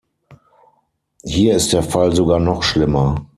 Hier ist der Fall sogar noch schlimmer.